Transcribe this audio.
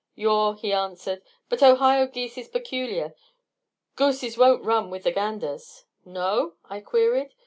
"Yaw," he answered. "But Ohio geese is peculiar. Gooses won't run with th' ganders." "No?" I queried.